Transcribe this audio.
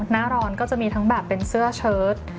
หน้าร้อนก็จะมีทั้งแบบเป็นเสื้อเชิด